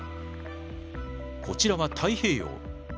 こちらは太平洋。